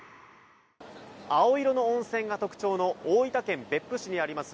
青色の温泉が特徴の大分県別府市にあります